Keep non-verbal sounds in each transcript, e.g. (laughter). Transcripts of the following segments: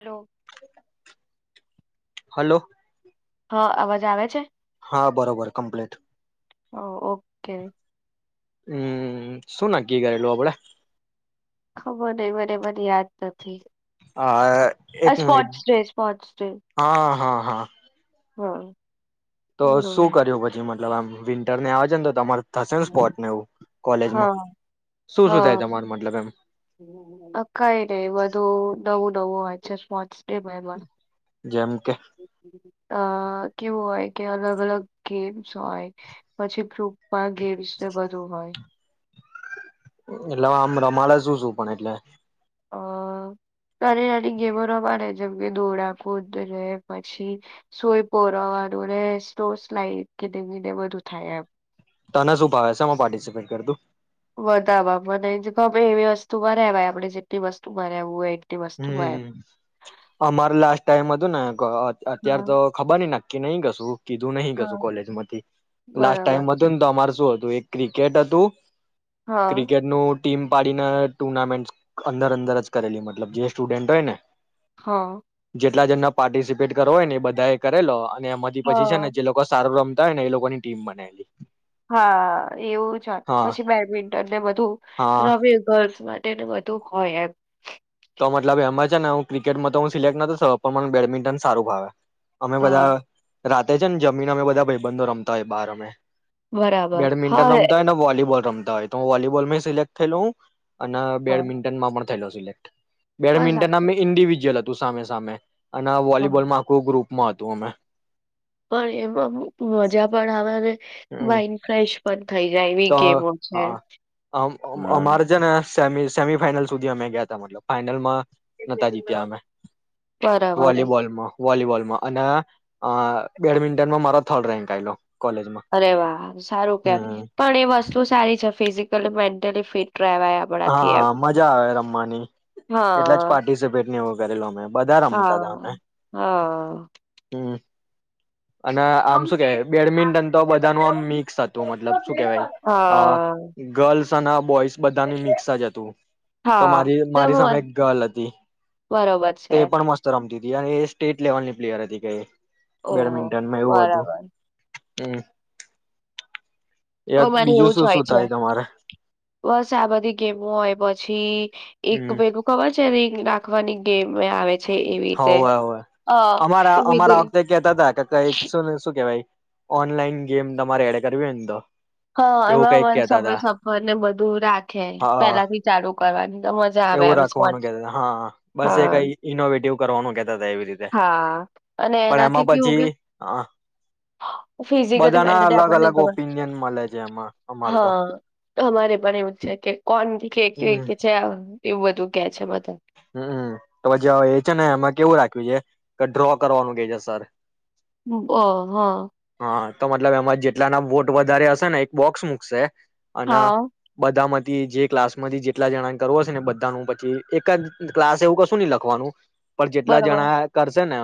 Hello. Hello. હા અવાજ આવે છે? હા બરોબર કમ્પ્લીટ. હ ઓકે. હમ શું નકકી કરેલું આપ આપડે? ખબર નય મને મને યાદ નથી. હા એક આ minute sports day sports day હા હા. હા. હા. તો બરોબર શું કર્યું પછી મને એ આમ વિન્ટર ને આવજ ને તો તમારે થશે ને સ્પોર્ટ ને એવું કોલેજમાં હા શું શું હા થાય તમાર મતલબ એમ કઈ નયવધુ નવું બવું હોય છે સ્પોર્ટ્સ તે (unintelligible) જેમ કે (inaudible) અ કેવું હોય કે અલગ અલગ ગેમ્સ હોય પછી (unintelligible) ગેમ્સ બધું હોય. એટલે આમ રમાડા શુ છું પણ એટલે? અ નાની નાની ગેમો રમાડે જેમ કે દોડા કૂદ રે પછી સોય પરવાનું રે સોસ લાઇટ કેધી બધું થાય એમ. તને શું ભાવે શેમાં પાર્ટિસિપેટ કરું તું? બધામાં મને ખપે એવી વસ્તુમાં રેવાય આપડે જેટલી વસ્તુ મા રેવું હોય. એટલી વસ્તુમાં એમ હમ અમાર લાસ્ટ ટાઈમ હતું ને અત્યાર હા તો ખબર (unintelligible) કે નહીં કસું કીધું નહી હા કશું કોલેજ માંથી લાસ્ટ બરાબર ટાઈમ હત છે ને તો અમાર શું હતું ક્રિકેટ હતું. હા ક્રિકેટ નું ટીમ પાડીને ટુર્નામેન્ટ અંદર અંદર જ કરેલી મત લબ જે સ્ટુડન્ટ હોય ને હા. કેટલા જણને પાર્ટિસિપેટ કરવો હોય ને એ બધા એ કરેલો ને એમાંથી પછી છે ને હા જે લોકો સારું રમ ને એ લોકોની ટીમ બનેલી. હા એવું છે હા પછી બેડમિન્ટન ને બધું હા રવ ગર્લ્સ માટે. બધું હોય એમ. તો મતલબ એમાં છે ને હું ક્રિકેટમાં તો હું સિલેક્ટ નતો પણ મને બેડમિન્ટન સારું ભાવે. અમે બધા હા રાતે છે ને જમીન અમે બધા ભાઈબંધો રમતા હોય બહાર અમે. બરાબર હા બેડમિન્ટન આમ એ તો હો ને વોલીબોલ. રમતા હોય તો હ વોલીબોલ મેં સિલેક્ટ કર્યું. અને હા બેડમિન્ટન માં પણ થ સિલેક્ટ. બસ બેડમિન્ટનના મે સાચું ઇન્ડિવિજ્યુઅલ હતા. તુ સામે સામે. અને આ હા વોલીબોલમાં આખુ ગ્રુપ. મા હતું મેં. પણ એમાં મજા પણ આવે ને. હમ માઈન્ડ ફ્રેશ પણ થઈ જાય એવી તો ગેમો છે હા હ. અમારે છે ને સેમી સેમી ફાઈનલ સુધી અમે ગયા ત મતલબ ફાાઈનલમાં. નતા જીત્યા અમે બરાબર વોલીબોલમાં. વોલીબોલમાં અને બેડમિન્ટનમાં મારો થર્ડ રેન્ક આલો કોલેજમાં. અરે વાહ સારું હમ કેવાય પણ એ વસ્તુ સારી છે ફિઝિકલ મે. ફિટ રહેવાય આપણાથી હા એમ હા મજા આવે રમવાની એટલા જ હા પાર્ટિસિપેટ નહી હોય. વેલોમ. બધા રમતા હતાા હા અમે હા હમ. અને આમ શું કેહેવાય બેડમિન્ટન તો બધાનું આમ મિક્સ હતું મતલબ શું કેહેવાય હા ગર્લ્સ. સના બોયસ. બધાની મ તો હા મારી સામે બ- એક ગલ હતી બરોબર તે છે પણ મસ્ત રમતી. અને એ સ્ટેટ લેવલની પ્લેયર હતી કે એ ઓહ બરાબર. હમ. એ અમારે બીજું એવું જ શું હોય શું છે થાય તમારે બસ આ બધી ગેમું હોય પછી એક હમ ભેગું ખબર શેરિંગ રાખવાની ગેમ આવે. છે એવી રીતે હોવે હોવે અ અમારા એવી અમારા રીતે વખતે કેતા હતા કે કઈ શ શું કેવાય? ઓનલાઈન ગેમ તમારે એડ કરવી ને તો હા એવું એમાં કઈક મને સય કેતા હતા સફર ને બધું રાખે હા પેલા થી ચાલુ કરવાની. તો મજા આવે એવું એમ સ્પોટ રાખવાનું કે હા બસ એ હા કઈ ઇનોવેટિવ કરવાનું. કેતા હતા એવી રીતે હા અને પણ એનાથી એમાં કેવું પછી કે ફિઝિકલી બધાના મેન્ટલી અલગ આપણને અલગ ખબર ઓપિનિયન મળે છે એમાં અમારે તો હા અમારે પણ એવું છે કે કોણ હમ છે? એવું બધું કે છે બધા. હમમ તો જે એ છે ને એમાં કેવું રાખ્યું છે કે ડ્રો કરવાનું કે છે સર. બહ હા. હા તો મતલબ એમાં જેટલાના વોટ વધારે હશે ને એક બોક્સ મુકશે અને હા બધામ જે ક્લાસ માંથી જેટલા જણા કરવ હશે ને બધાનું પછી એક જ ક્લાસ એવું કશું નહી લખવાનું. પણ જેટલા બરોબર જણા કરશે ને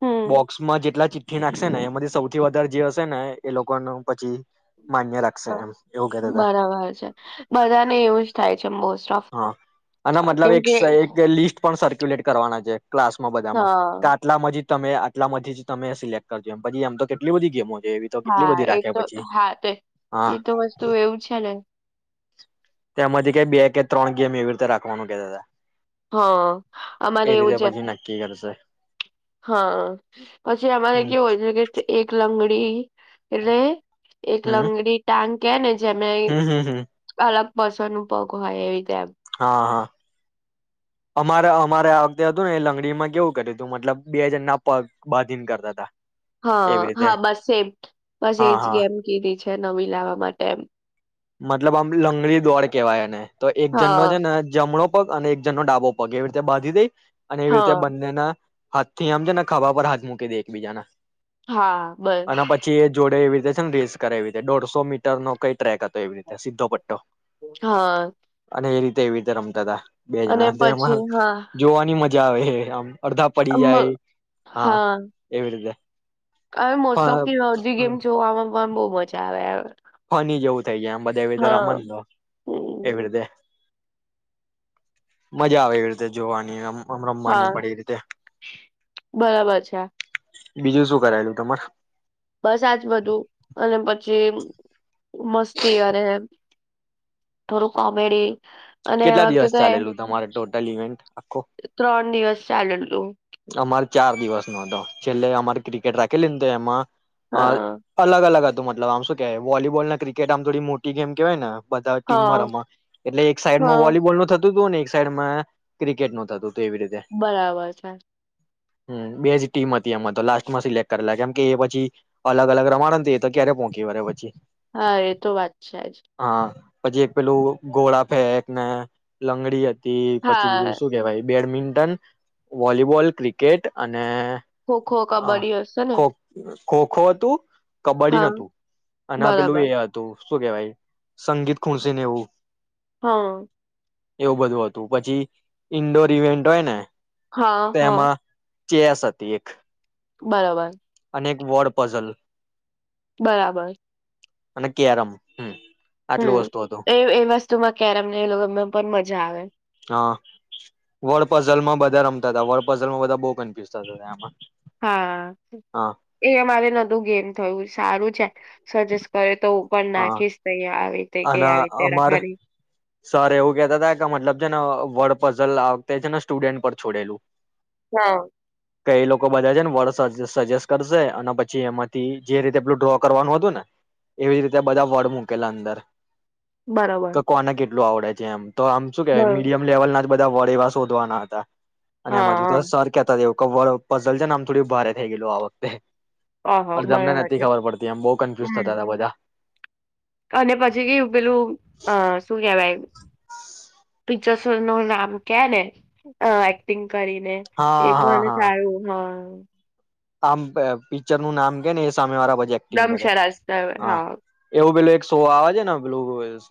હમ બોક્સમાં જેટલા ચિત એ નાખશે ને એમાંથી સૌથી વધારે જે હશે ને એ લોકોનું પછી માન્ય રાખશે એમ એવું કેતા હતા બરાબર છે બધાને એવું જ થાય છે મોસ્ટ ઓફ. ના મતલબ કેમ એક કે લિસ્ટ પણ સર્ક્યુલેટ કરવાના છે. ક્લાસ માં બધામાં હા કાટલા મજીદ તમે આટલામાંધથી જ તમે સિલેક્ટ કરજો એમ પછી એમ તો કેટલી બધી ગેમો છે. એવી તો કેટલી હા બધી એ રાખે તો પછી હા હા એતો વસ્તુ એવું છે ને તેમાંથી કઈ બે કે ત્રણ ગેમ એવી રીતે રાખવાનું કતા હતા. હા અમારે એ એવું રીતે છે પછી નક્કી કરશે હા પછી અમારે હમ કેવું હોય છે કે એક લંગડી પડી એટલે એક હમ લંગડી ટાંકી કેને જેમ હમ હમ હમ અલગ બસ અનું પગ હોય એવી એમ હા હા. અમારે અમારે વખતે હતું ને એ લંગડીમાં કેવું કર્યું હતું મતલબ બે હજાર ના પગ બાંધીને કરતા હતા. હા એવી રીતે હા બસ એ બસ હા એજ હા ગેમ કીધી છે. તે નવી લાવા માટે એમ મતલબ આમ લંગડી દોડ કેવાય એને. તો એક જનનો હા છે ને જમણો પગ અને એક જણનો ડાબો પગ એવી રીતે બાંધી દઈ. અને એવી રીતે હા બંનેના હાથથી આમ છે ને ખભા પર હાથ મુકી દઈ એકબીજાના હા અને બસ પછી એ જોડે એવી એટલે છે ને રેસ કરે એવી રીતે દોઢસો મીટર નો કઈ ટ્રેક તો એવી રીતે સીધો પટો હહ. અને એ રીતે એવી રીતે રમતાતા. બે જણા તો એમાં પછી હા જોવાની મજ જાવે આમ. અડધા પડી મ જાય હા એવી રીતે હવે મોસ્ટ ઓફથી અડધી ગેમ જોવામાં વામ બહુ મજા આવે. ફની જવું જ થઈ ગયા આમ બધા એવી રીતે હા રમન તો હમ એવી રીતે મજા આવે એવી રીતે જોવાની આમ. હા રમવાની પડે એ રીતે બરાબર છે. બીજું શું કરાયેલું તમાર? બસ આજ બધું અને પછી મસ્તી કરે એમ. થોડું કોમેડી અને કેટલા આ વખતે દિવસ તો ચાલેલું તમારે ટોટલ ઇવેન્ટ આખો? એ ત્રણ દિવસ ચાલેલું અમાર ચાર દિવસ નો હતો છેલ્લે અમારી ક્રિકેટ રાખેલી ને તો એમાં હ હા અલગ અલગ તો મતલબ આમ શું કેવાય વોલીબોલના ક્રિકેટ આમ થોડી મોટી ગેમ કેવાયને બધા ટીમમાં હા રમ એટલે સાઈડમાં હા વોલીબોલનું થત થતુંતું ને એક સાઈડમાં ક્રિકેટનું થતુંતું. બરાબર છે. હમ બે જ ટીમ હતી એમાં તો લાસ્ટમાં સિલેક્ટ કરેલા કેમ કે એ પછી અલગ અલગ રમાડને તો એ તો ક્યારે પોહંકી વળે પછી હા એ તો વાત છે જ. હા પછી એક પેલું ગોળા ફેક ના લંગડી હતી. તે પચી બીજું હા શું કેવાય બેડમિન્ટન વોલીબોલ ક્રિકેટ અને ખોખો કબડ્ડી હશે ને. ખો ખોખો હતું. કબડ્ડી હા ન હતું અને પેલું એ બરાબર હતું. શું કેવાય સંગીત ખૂણસીને એવું. હા. એવું બધું હતું પછી ઈન્ડોર ઈવેન્ટ હોય ને હા હા. ચે આ ત એક બરાબર. અનેક વડ પઝલ બરાબર. અનકી આરામ હમ. આટલું હમ વસ્તુ હતું એ એ વસ્તુમાં કે્યારેમને એ લોકો એમ પણ મજા આવે. હા વડપઝલ માં બધા રમતા હતા વડપઝલમાં બધા બહ કન્ફ્યુઝ થતા હતા એમાં. હા હા એ અમારે નું ગેમ થયું સારું છે. સજેસ્ટ કરે. તો હું પણ હા નાખીશ તહં આવી. તે ક અને આવી રીતે અમાર રાખાયલી. સર એવું કેહેતા હતા કે મતલબ છે ને વડપઝલ આવતા છે ને સ્ટુડન્ટ પર છોડેલું. હા. કઈ લોકો બધા છે ને વર્ડ સજેસ્ટ કરશે અને પછી એમાંથી જે રીતે પલું ડ્રો કરવાનું હતું ને એવી જ રીતે બધા વર્ડ મૂકેલા અંદર. બરાબર. કોના કેટલું આવડે છે એમ. તો આમ શું કે મીડયમ લેવલ ના. બધા વડેવા શોધવાના હતા. અને હા એમાં જ તો હા સર કતા જેવું. ક પઝલ છેને આમ થોડી ભારે થઈ ગયલું આ વખતે. ઓહો અરેજ અમને બરાબર નથી છે ખબર પડતી એમ બહુ કન્ફ્યુઝ થતા હમ હતા બધા. અને પછી કેું પેલું અ શું કેવાય. (unintelligible) પિક્ચર્સ નું નામ ક્યા ને એક્ટિંગ. કરીને એ હા હા પણ હા સારું હ. (inaudible) આમ પિક્ચર નું નામ કે ને સામે વાળા એક્ટિંગ કરે દમશરાસ બરાબર. (inaudible) હા હ એવું પેલું શો આવે છે ને બ્લુ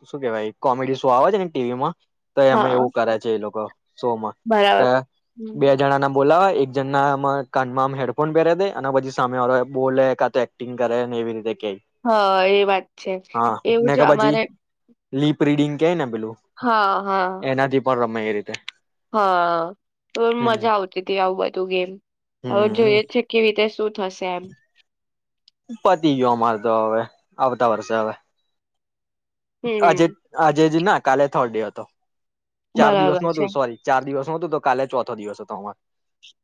શું કેવાય કોમેડી શો આવે છે ને ટીવી માં તો એમાં હા એવું કરે છે એ લોકો સો માં બરાબર બે હમ. જણા ના બોલાવાય એક જમાં કાનમા હેડ પણ પહેરે દે અને પછી સામે વા બોલે કા તો એક્ટિંગ કરે ને એવી રીતે કે હા એ વાત છે હા એવું ને જ કે પછી અમારે લીપ રીડિંગ કે નેમ હા-હા. અમે એ રીતે હા હમ મજા આવતી હતી આવું બધું ગેમ હવે હમ જોઈ છે. કેવી રીતે શું થશે એમ પતી ગયો અમારે તો હવે આવતા વર્ષે હવે આજે હમ આજે ના કાલે થર્ડે હતો ચાર દિવસ બરાબર નુ છે હતું સોરી ચાર દિવસ હું તો કાલે ચોથો દિવસ હતો અમામાં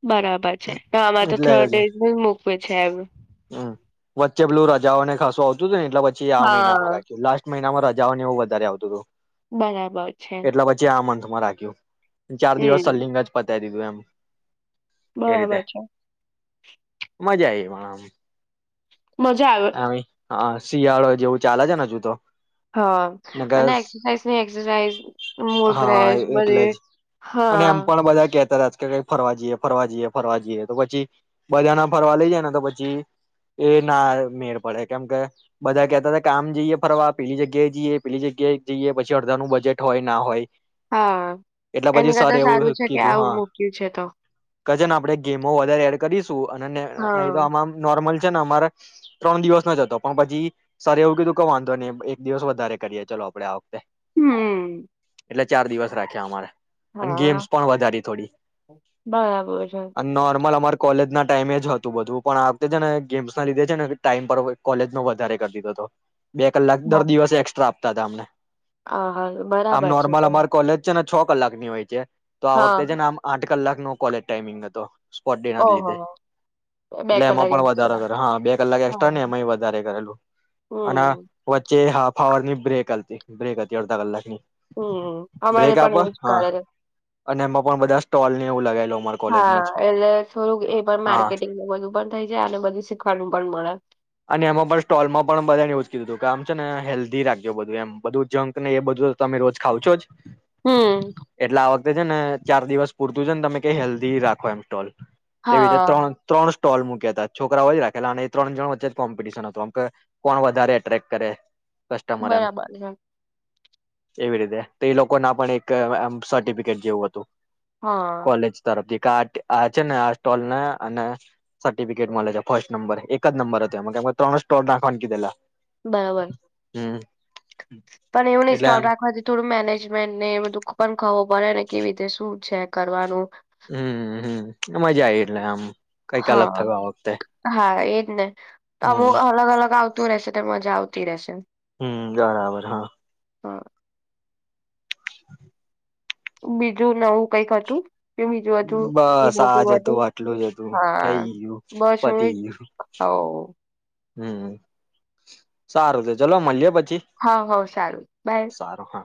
બરાબર છે તો આમાં તો એટલે થર્ડ જ ડે થો ડેઝ મૂકવે છે એમ જે પેલું રાજા ને ખાસવા આવતું ને પછી આ મહિનામાં હા. રાખ્યું લાસ્ટ મહિના માં રજાઓને એવું વધારે આવતું હતું. બરાબર છે. માં રાખ્યો. ચાર દિવસ હમ. સલીંગ જ પત ઈ ડીધું એમ એ રીતે બરાબર છે. મજા આવી પણ આમ મજા આવે. આમ હા શિયાળો જેવું ચાલે છેને હજુ તો. હા નકર અને એક્સરસાઇઝ ની એક્સરસાઇઝ, મૂડ હા ફેશ એટલે બધી જ અને હા એમ પણ બધા કેતા હતા કે કઈ ફરવા જઈએ ફરવા જઈએ ફરવા જઈએ, તો પછી બધા ના ફરવા લઈ જાય ને તો પછી એ ના મેળ પડે કેમ કે બધા કેતા કામ જઈએ ફરવા પેલી જગ્યાએ જઈએ, પેલી જગ્યાએ જીએ, પછી અડધાનું બજેટ હોય ના હોય હા એટલે એને પછી સર કરતા એવું સારું છે કે કીધું આવું હા મૂક્યું છે તો. કે ને આપણે ગેમો વધારે એડ કરી તું, અને ન નહી તો હા. આ નોર્મલ છે ને અમારે ત્રણ દિવસ નો જ હતો પણ પછી સરે એવું કીધું કે વાંધો નહી દિવસ વધારે કરીએ ચાલો આપડે આવખતે. હમ્મ્મ. એટલે ચાર દિવસ રાખ્યા અમારે. અને ગેમ્સ પણ વધારી થોડી, બરાબર છે. અને નોર્મલ અમાર કોલેજ ના ટાઈમે જ હતું બધું પણ આ વખતે છે ને ગેમ્સ ના લીધે છે ને તે ટીમ પર કોલેજ નો વધારે કર દીધો તો, બે કલાક દર દિવસે એક્સ્ટ્રા આ તા અમને. હા હા, આમ બરાબર છે નોર્મલ તો. અમારી કોલેજ છે ને છ કલાક ની હોય છે. તો આ હા વખતે છે ને આમ આઠ કલાક નો કોલેજ ટાઈમિંગ હતો. સ્પોટ ડે ના ઓહો લીધે, બે એટલે એમાં કલાક પણ વધારો એક્સ્ટ્રા. કરો, હા બે કલાક હા. એસ્ટ્રાને એમાંએ વધારે કરેલું, અને હમ વચ્ચે હાફ આવર ની બ્રેક હલતી બ્રેક હતી અડધા કલાક ની. હમ્મ, અમારે પણ એવું જ કરે, અને એમાં પણ બધા સ્ટોલ ને એવું લગાવેલું અમારા કોલેજમાં જ હા એટલે થોડુંક એ પણ હા માર્કેટિંગનું બધું પણ થઈ જાય એમ બધું શીખવાનું પણ મળે. અને એમાં પણ સ્ટોલમાં પણ બધાને એવું જ કીધું તું કે આમ છે ને હેલ્ધી રાખજો, બધું એમ બધું જંક ને એ બધું તમે રોજ ખાવ છોજ. હમ એટલે આ વાક્તે છે ને ચાર દિવસ પૂરતું છે ને તમે ક હેલ્ધી રાખો એમ સ્ટોલ. તેવી રીતે હા ત્રોણ, ત્રોણ સ્ટોલ મૂક્યા તા, છોકરાઓ એ જ રાખેલા અને એ ત્રણ જણ વચ્ચે જ કોમ્પિટશન હતુ, આમ કે કોણ વધારે એટ્રેક કરે. કસ્ટમર એમ બરાબર હે. એવી રીતે તો એ લોકોના પણ એક આમ સર્ટિફિકેટ જેવું હતું. હા કોલેજ તરફથી કાટ આ છે ને આ સ્ટોલના અને સર્ટિફિકેટ મળે છે ફર્સ્ટ નંબર એક જ નંબર તો એમાં ત્રણ જ સ્ટોલ નાખવાન કીધેલા. બરાબર, હમ પણ એવું નઈ એટલે સ્ટોલ આમ રાખવાથી થોડું મેનેજમેન્ટ ને એ બધુ પણ ખબ પડે ને કેવી રીતે શું છે કરવાનું હમ્મ હમ્મ મજા આઈ એટલે આમ. કઈક અલગ હા થયું આ વખતે હા એજ ને અમુક હમ અલગ-અલગ આવ તું રહેશે તો મજા આવતી રહેશે. હમ્મ, બરાબર હા. હા. બીજું નવું કંઈક હતું? કે બીજું હતું એ બસ નતું આજ હતું આટલું જ હતું થઈ હા ગયું બસ હું પતી ગયું. હ હમ્મ, સારું તો ચલો મલીએ પ હવ હવ સારું બાય. હા